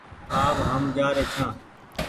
آ و هم جآ ري ڇآن ۔